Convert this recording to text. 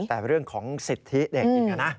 แต่เรื่องของสิทธิเด็กอีกนะ